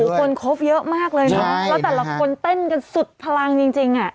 คนครบเยอะมากเลยเนอะแล้วแต่ละคนเต้นกันสุดพลังจริงอ่ะ